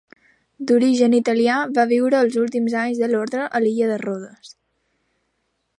D'origen italià va viure els últims anys de l'orde a l'illa de Rodes.